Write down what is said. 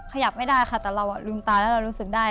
ขยับไม่ได้ค่ะแต่เราลืมตาแล้วเรารู้สึกได้